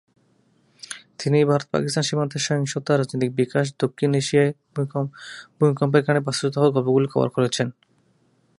তিনি ভারত-পাকিস্তান সীমান্তের সহিংসতা, রাজনৈতিক বিকাশ, দক্ষিণ এশিয়ায় ভূমিকম্পের কারণে বাস্তুচ্যুত হওয়ার গল্পগুলি কভার করেছেন।